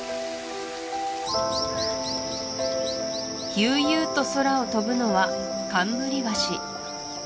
悠々と空を飛ぶのはカンムリワシ